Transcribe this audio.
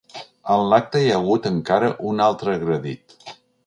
En l’acte hi ha hagut encara un altre agredit.